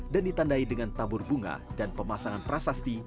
ditandai dengan tabur bunga dan pemasangan prasasti